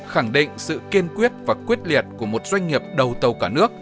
khẳng định sự kiên quyết và quyết liệt của một doanh nghiệp đầu tàu cả nước